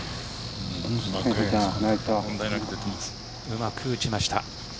うまく打ちました。